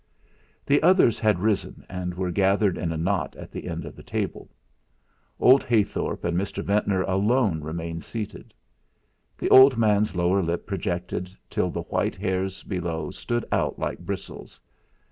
The others had risen and were gathered in a knot at the end of the table; old Heythorp and Mr. Ventnor alone remained seated. The old man's lower lip projected till the white hairs below stood out like bristles.